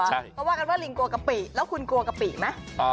เพราะว่ากันว่าลิงกลัวกะปิแล้วคุณกลัวกะปิไหม